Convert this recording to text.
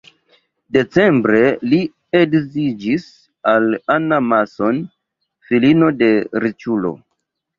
Decembre li edziĝis al Anna Mason, filino de riĉulo.